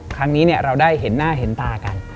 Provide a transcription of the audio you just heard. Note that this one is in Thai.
ครั้งนี้เราได้เห็นหน้าเห็นตากัน